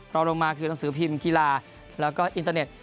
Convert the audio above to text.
รองลงมาคือหนังสือพิมพ์กีฬาแล้วก็อินเตอร์เน็ต